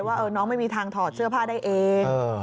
ว่าน้องไม่มีทางถอดเสื้อผ้าได้เอง